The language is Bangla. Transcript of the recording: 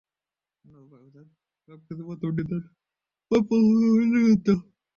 অনুরূপভাবে তাদের সবকিছুর প্রথমটি তাদের প্রাপ্য বলে মনে করত।